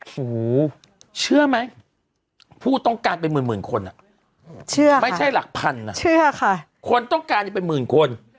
โหเชื่อไหมผู้ต้องการเป็นหมื่นคนไม่ใช่หลักพันคนต้องการเป็นหมื่นคน